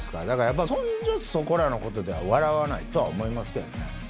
だから、やっぱりそんじょそこらのことじゃ、笑わないとは思いますけどね。